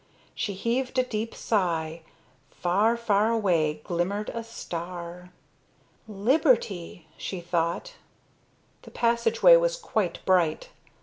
She heaved a deep sigh. Far, far away glimmered a star. "Liberty!" she thought. The passageway was quite bright.